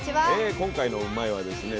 今回の「うまいッ！」はですね